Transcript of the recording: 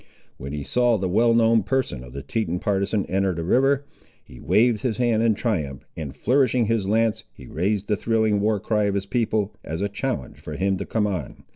When he saw the well known person of the Teton partisan enter the river, he waved his hand in triumph, and flourishing his lance, he raised the thrilling war cry of his people, as a challenge for him to come on.